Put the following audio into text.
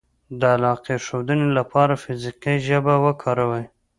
-د علاقې ښودنې لپاره فزیکي ژبه وکاروئ